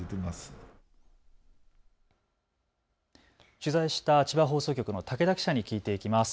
取材した千葉放送局の武田記者に聞いていきます。